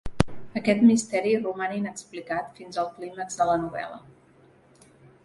Aquest misteri roman inexplicat fins el clímax de la novel·la.